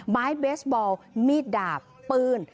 ไม้เบสบอลมีดดาบปืน